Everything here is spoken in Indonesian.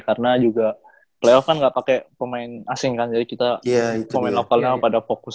karena juga playoff kan gak pakai pemain asing kan jadi kita pemain lokalnya pada fokus